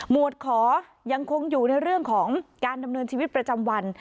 วดขอยังคงอยู่ในเรื่องของการดำเนินชีวิตประจำวัน